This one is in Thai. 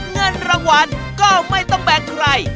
เงินรางวัลก็ไม่ต้องแบ่งใคร